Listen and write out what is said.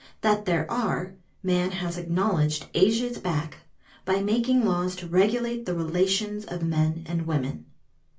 That there are, man has acknowledged ages back, by making laws to regulate the relations of men and women.